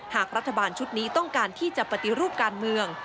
หากรัฐบาลชุดนี้ต้องการที่จะปฏิรูปการเมือง